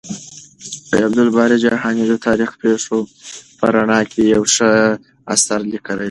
عبدالباري جهاني د تاريخي پېښو په رڼا کې يو ښه اثر ليکلی دی.